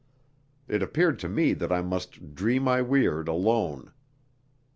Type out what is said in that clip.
It appeared to me that I must "dree my weird" alone.